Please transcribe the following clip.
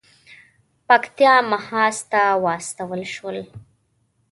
پکتیا محاذ ته واستول شول.